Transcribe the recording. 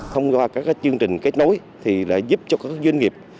thông qua các chương trình kết nối thì đã giúp cho các doanh nghiệp